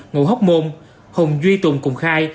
ngủ hóc môn hùng duy tùng cùng khai